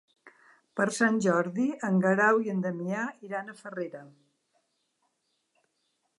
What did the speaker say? Per Sant Jordi en Guerau i en Damià iran a Farrera.